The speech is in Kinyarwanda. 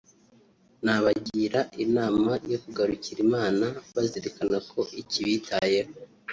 nabagira inama yo kugarukira Imana bazirikana ko ikibitayeho